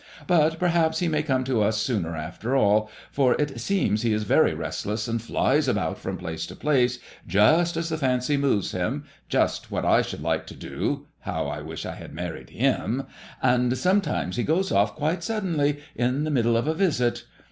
But perhaps he may come to us sooner after all, for it seems he is very restless, and flies about from place to place, just as the fancy moves him— just what I should like to do (how I wish I had married him Ot sind some times he goes off quite suddenly — in the middle of a visit.